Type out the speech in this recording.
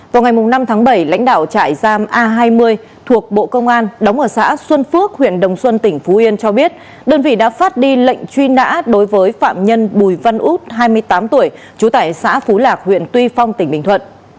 vào ngày năm tháng bảy lãnh đạo trại giam a hai mươi thuộc bộ công an đóng ở xã xuân phước huyện đồng xuân tỉnh phú yên cho biết đơn vị đã phát đi lệnh truy nã đối với phạm nhân bùi văn út hai mươi tám tuổi trú tại xã phú lạc huyện tuy phong tỉnh bình thuận